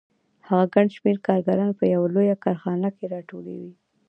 هغه ګڼ شمېر کارګران په یوه لویه کارخانه کې راټولوي